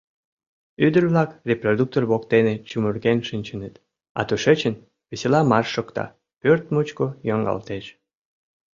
Ӱдыр-влак репродуктор воктене чумырген шинчыныт, а тушечын... весела марш шокта, пӧрт мучко йоҥгалтеш.